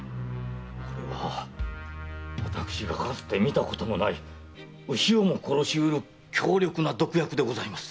これは私がかつて見たこともない牛をも殺しうる強力な毒薬でございます。